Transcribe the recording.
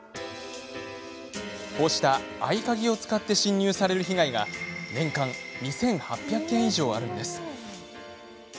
こうした合鍵を使って侵入される被害が年間２８００件以上あるんです。